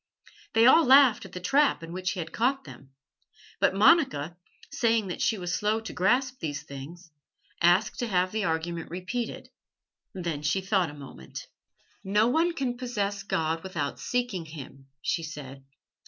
They all laughed at the trap in which he had caught them. But Monica, saying that she was slow to grasp these things, asked to have the argument repeated. Then she thought a moment. "No one can possess God without seeking Him," she said.